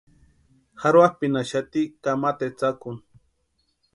Jarhuapʼinhaxati kamata etsakuni.